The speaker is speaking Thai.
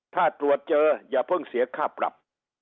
ถ้าตรวจเจออย่าเพิ่งเสียค่าปรับ